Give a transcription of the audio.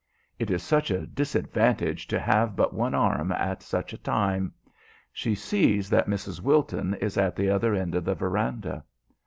It is such a disadvantage to have but one arm at such a time! She sees that Mrs. Wilton is at the other end of the veranda.